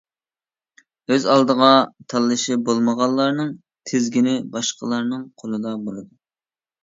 ئۆز ئالدىغا تاللىشى بولمىغانلارنىڭ تىزگىنى باشقىلارنىڭ قولىدا بولىدۇ.